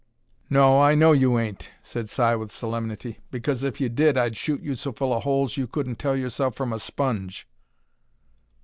"No, I know you hain't," said Si, with solemnity. "B'cause, if you did, I'd shoot you so full of holes you couldn't tell yourself from a sponge."